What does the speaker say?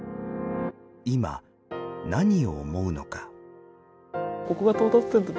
今何を思うのか。